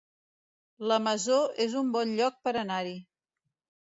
La Masó es un bon lloc per anar-hi